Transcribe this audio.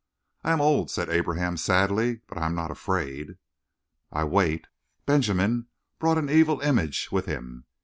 "I am old," said Abraham sadly, "but I am not afraid." "I wait." "Benjamin brought an evil image with him.